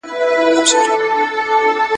چي په کوڅو کي ګرځي ناولي `